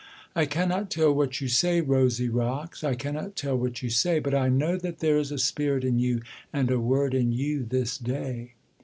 I cannot tell what you say, rosy rocks, I cannot tell what you say: But I know that there is a spirit in you, And a word in you this day.